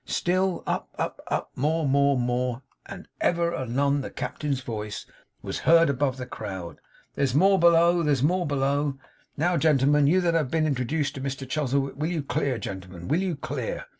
Still up, up, up, more, more, more; and ever and anon the Captain's voice was heard above the crowd 'There's more below! there's more below. Now, gentlemen you that have been introduced to Mr Chuzzlewit, will you clear gentlemen? Will you clear?